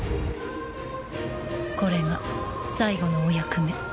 これが最後のお役目。